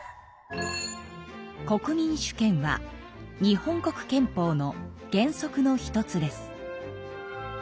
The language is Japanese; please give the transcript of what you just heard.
国民主権は日本国憲法の原則の１つです。